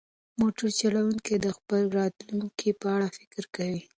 موټر چلونکی د خپل راتلونکي په اړه فکر کوي.